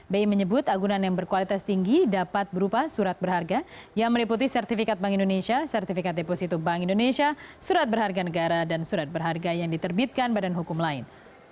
bi menyebut agunan yang berkualitas tinggi dapat berupa surat berharga yang meliputi sertifikat bank indonesia sertifikat deposito bank indonesia surat berharga negara dan surat berharga yang diterbitkan badan hukum lain